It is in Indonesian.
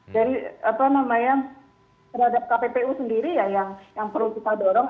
jadi apa namanya terhadap kppu sendiri ya yang perlu kita dorong